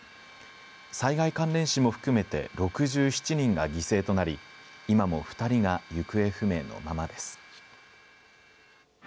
災害関連死も含めて６７人が犠牲となり今も２人が行方不明のままです。